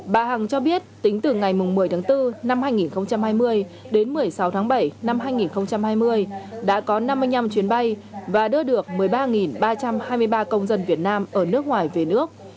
bà hằng cho biết tính từ ngày một mươi tháng bốn năm hai nghìn hai mươi đến một mươi sáu tháng bảy năm hai nghìn hai mươi đã có năm mươi năm chuyến bay và đưa được một mươi ba ba trăm hai mươi ba công dân việt nam ở nước ngoài về nước